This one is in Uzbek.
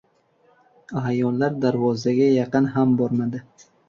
Aʼyonlar darvozaga yaqin ham bormadi.